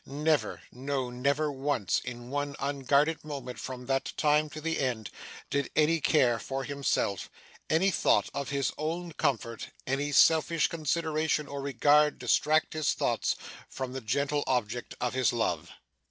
Never, no, never once, in one unguarded moment from that time to the end, did any care for himself, any thought of his own comfort, any selfish consideration or regard distract his thoughts from the gentle object of his love.